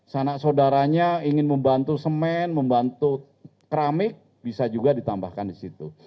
sanak saudaranya ingin membantu semen membantu keramik bisa juga ditambahkan di situ